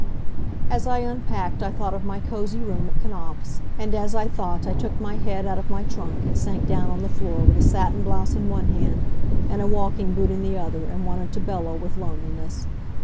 As I unpacked I thought of my cosy room at Knapfs', and as I thought I took my head out of my trunk and sank down on the floor with a satin blouse in one hand, and a walking boot in the other, and wanted to bellow with loneliness.